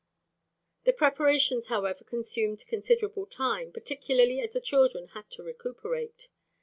The preparations, however, consumed considerable time, particularly as the children had to recuperate.